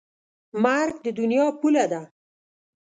مرګ د دنیا پوله ده.